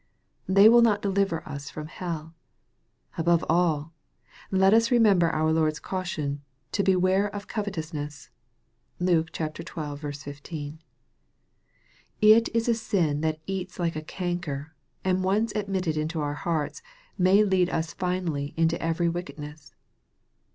They will not deliver us from hell. Above all, let us remember our Lord's cau tion, to " beware of covetousness." (Luke xii. 15.) It is a sin that eats like a canker, and once admitted into our hearts, may lead us finally into every wickedness.